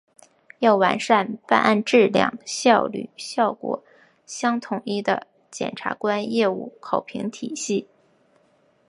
要完善办案质量、效率、效果相统一的检察官业绩考评体系